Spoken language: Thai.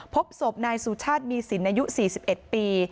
พบศพนายสุชาติมีสินอายุ๔๑ปี